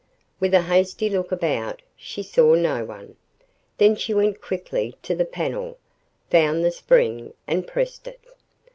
With a hasty look about, she saw no one. Then she went quickly to the panel, found the spring, and pressed it.